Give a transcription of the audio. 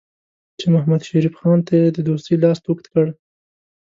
چې محمدشریف خان ته یې د دوستۍ لاس اوږد کړ.